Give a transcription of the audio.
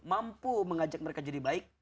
mampu mengajak mereka jadi baik